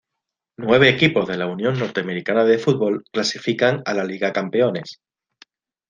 Nueve equipos de la Unión Norteamericana de Fútbol clasifican a la Liga Campeones.